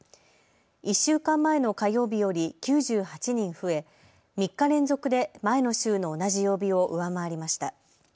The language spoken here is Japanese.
１週間前の火曜日より９８人増え３日連続で前の週の同じ曜日を上回りました。